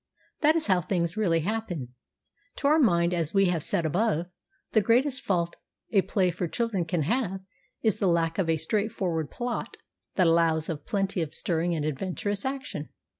That is how things really happen. To our mind, as we have said above, the greatest fault a play for children can have is the lack of a straightforward plot that allows of plenty of stirring and adventurous action.